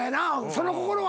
その心は？